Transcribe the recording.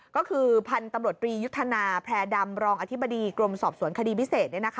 ก็คือพันธุ์ตำรวจรียุทธนาแพร่ดำรองอธิบดีกรมสอบสวนคดีพิเศษ